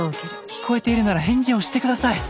聞こえているなら返事をして下さい。